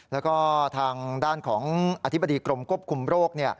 แล้วก็ทางด้านของอธิบดีกรมควบคุมโรค